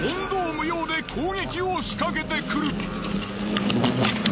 無用で攻撃を仕掛けてくる。